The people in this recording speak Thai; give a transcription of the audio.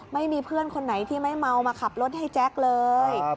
ไม่มีเพื่อนคนไหนที่ไม่เมามาขับรถให้แจ๊คเลย